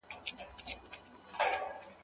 باطل په مابينځ کي هیڅ ځای نه درلودی.